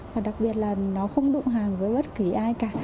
và đặc biệt là nó không đụng hàng với bất kỳ ai cả